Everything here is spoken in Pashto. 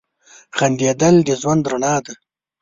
• خندېدل د ژوند رڼا ده.